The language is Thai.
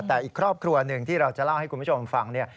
แต่อีกครอบครัวหนึ่งที่เราจะเล่าให้คุณผู้ชมฟังเนี่ย